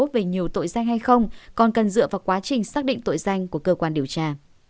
về nhiều tội danh hay không còn cần dựa vào quá trình xác định tội danh của cơ quan điều tra